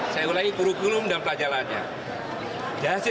hasilnya kurikulum dan pekerjaan dari siswanya adalah yang sama